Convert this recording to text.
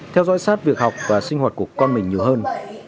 theo dõi sát việc học và sinh hoạt của con mình nhiều hơn